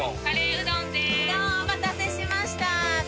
・うどんお待たせしました。